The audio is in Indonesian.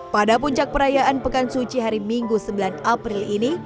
pada puncak perayaan pekan suci hari minggu sembilan april ini